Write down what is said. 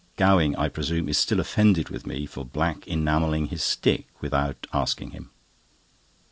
Gowing, I presume, is still offended with me for black enamelling his stick without asking him.